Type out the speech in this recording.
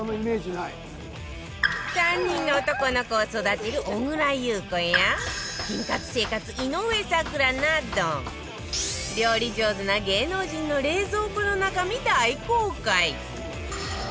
３人の男の子を育てる小倉優子や菌活生活井上咲楽など料理上手な芸能人の冷蔵庫の中身大公開